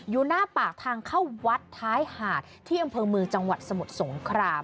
อยู่หน้าปากทางเข้าวัดท้ายหาดที่อำเภอเมืองจังหวัดสมุทรสงคราม